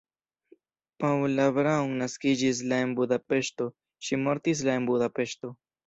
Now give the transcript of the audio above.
Paula Braun naskiĝis la en Budapeŝto, ŝi mortis la en Budapeŝto.